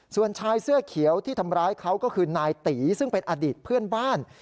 ส่วนชายเสื้อเขียวที่ทำร้ายเขาก็คือนายตีซึ่งเป็นอดีตเพื่อนบ้าน